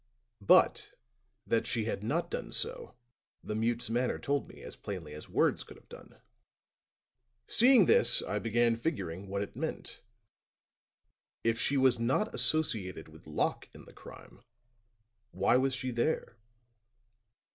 But that she had not done so, the mute's manner told me as plainly as words could have done. Seeing this, I began figuring what it meant. If she was not associated with Locke in the crime, why was she there?